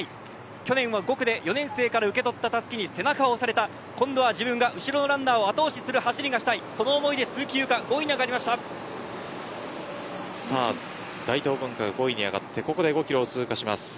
去年は５区で４年生から受け取ったたすきに背中を押されて今度は自分が後ろのランナーを後押しする走りがしたい、その思いで大東文化が５位に上がってここで５キロ通過します。